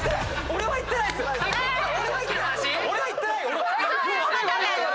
俺は言ってないよ！